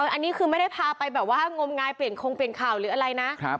อันนี้คือไม่ได้พาไปแบบว่างมงายเปลี่ยนคงเปลี่ยนข่าวหรืออะไรนะ